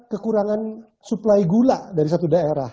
kekurangan suplai gula dari satu daerah